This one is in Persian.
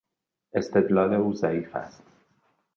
استدلال او ضعیف است.